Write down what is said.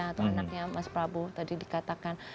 atau anaknya mas prabu tadi dikatakan